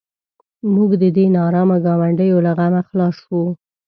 موږ د دې نارامه ګاونډیو له غمه خلاص شوو.